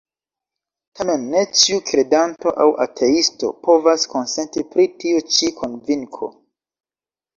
Tamen ne ĉiu kredanto aŭ ateisto povas konsenti pri tiu ĉi konvinko.